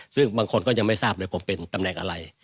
ซึ่งบางคนก็ยังไม่ทราบนตัดถึงตำแหน่งอะไร